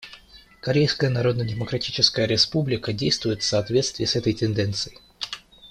Корейская Народно-Демократическая Республика действует в соответствии с этой тенденцией.